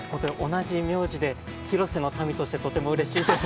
同じ名字で広瀬の民として本当にうれしいです。